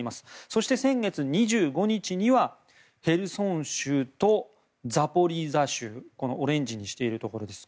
そして、先月２５日にはヘルソン州とザポリージャ州オレンジにしているところです。